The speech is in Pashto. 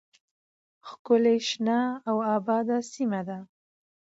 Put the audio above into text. ښکلې شنه او آباده سیمه ده